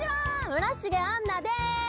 村重杏奈です。